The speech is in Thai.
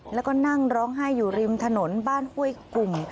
แล้วก็นั่งร้องไห้อยู่ริมถนนบ้านห้วยกลุ่ม